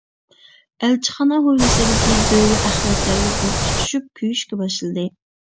ئەلچىخانا ھويلىسىدىكى دۆۋە ئەخلەتلەرگە ئوت تۇتۇشۇپ، كۆيۈشكە باشلىدى.